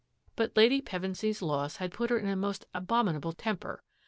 But Lady Pevensy's loss had put hei abominable temper.